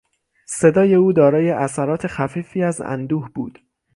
صدای او دارای اثرات خفیفی از اندوه بود.